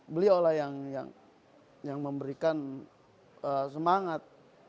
beliau lah yang memberikan semangat